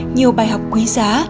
nhiều bài học quý giá